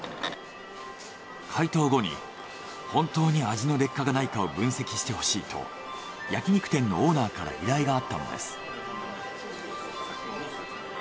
解凍後に本当に味の劣化がないかを分析してほしいと焼き肉店のオーナーから依頼があったのです。